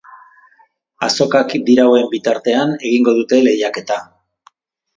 Azokak dirauen bitartean egingo dute lehiaketa.